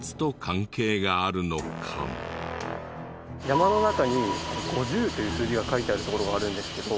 山の中に５０という数字が書いてある所があるんですけど。